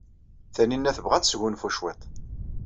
Taninna tebɣa ad tesgunfu cwiṭ.